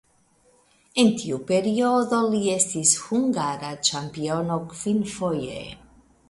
En tiu periodo li estis hungara ĉampiono kvinfoje.